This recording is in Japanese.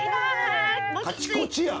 カチコチやん！